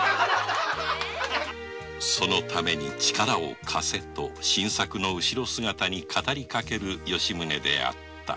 そのために力を貸せ」と新作の後ろ姿に語りかける吉宗であった